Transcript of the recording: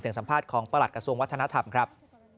สัมภาษณ์ของประหลัดกระทรวงวัฒนธรรมครับ